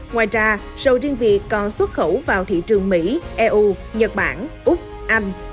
ngoài ra sầu riêng việt còn xuất khẩu vào thị trường mỹ eu nhật bản úc anh